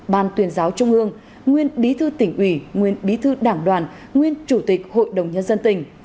ban tuyên giáo trung ương nguyên bí thư tỉnh ủy nguyên bí thư đảng đoàn nguyên chủ tịch hội đồng nhân dân tỉnh